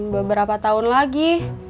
beberapa tahun lagi